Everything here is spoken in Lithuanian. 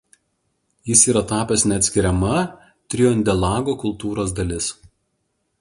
Jis yra tapęs neatskiriama Triondelago kultūros dalis.